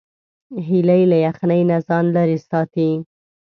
هیلۍ له یخنۍ نه ځان لیرې ساتي